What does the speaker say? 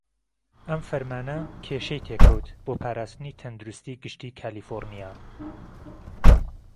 ئەم فەرمانە کێشەی تێکەوت بۆ پاراستنی تەندروستی گشتی کالیفۆڕنیا.